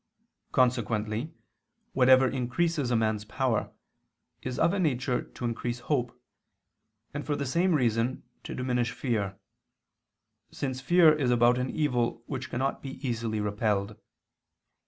Consequently whatever increases a man's power, is of a nature to increase hope, and, for the same reason, to diminish fear, since fear is about an evil which cannot be easily repelled.